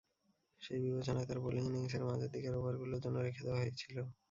সেই বিবেচনায় তার বোলিং ইনিংসের মাঝের দিকের ওভারগুলোর জন্য রেখে দেওয়া হয়েছিল।